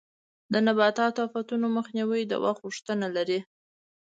د نباتو د آفتونو مخنیوی د وخت غوښتنه لري.